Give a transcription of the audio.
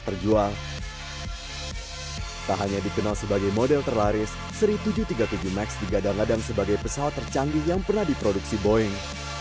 tak hanya dikenal sebagai model terlaris seri tujuh ratus tiga puluh tujuh max digadang gadang sebagai pesawat tercanggih yang pernah diproduksi boeing